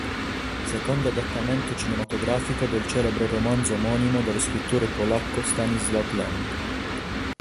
Secondo adattamento cinematografico del celebre romanzo omonimo dello scrittore polacco Stanisław Lem.